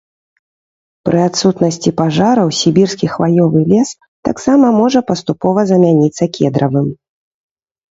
Пры адсутнасці пажараў сібірскі хваёвы лес таксама можа паступова замяніцца кедравым.